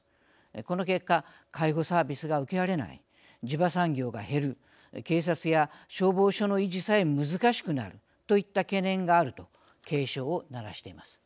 この結果介護サービスが受けられない地場産業が減る警察や消防署の維持さえ難しくなるといった懸念があると警鐘を鳴らしています。